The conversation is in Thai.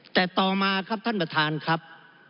แต่ต่อมาครับท่านประธานครับ